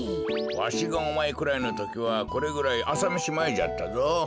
わしがおまえくらいのときはこれぐらいあさめしまえじゃったぞ。